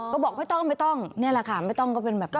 ก็บอกไม่ต้องนี่แหละค่ะไม่ต้องก็เป็นแบบนี้ค่ะ